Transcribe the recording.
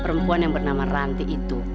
perempuan yang bernama ranti itu